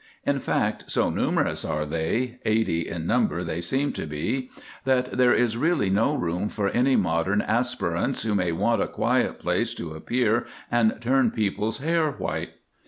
In fact, so numerous are they—80 in number they seem to be—that there is really no room for any modern aspirants who may want a quiet place to appear and turn people's hair white.